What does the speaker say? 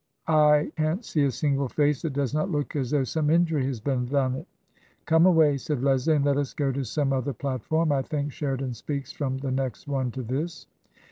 I can't see a single face that does not look as though some injury had been done it." " Come away," said Leslie, " and let us go to some other platform. I think Sheridan speaks from the next one to this."